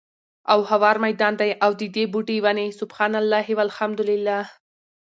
او هوار ميدان دی، او ددي بوټي وني سُبْحَانَ اللهِ، وَالْحَمْدُ للهِ